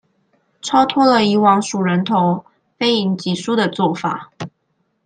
超脫了以往數人頭、非贏即輸的做法